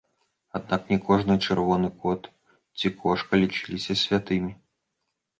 Аднак не кожны чырвоны кот ці кошка лічыліся святымі.